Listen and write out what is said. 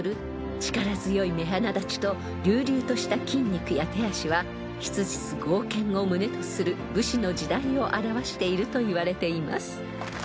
［力強い目鼻立ちと隆々とした筋肉や手足は質実剛健を旨とする武士の時代を表しているといわれています］